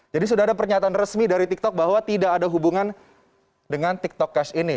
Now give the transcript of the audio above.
jadi sudah ada pernyataan resmi dari tiktok bahwa tidak ada hubungan dengan tiktok cash ini